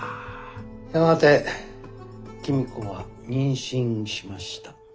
やがて公子は妊娠しました。